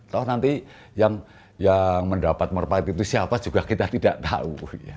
toh nanti yang mendapat merpait itu siapa juga kita tidak tahu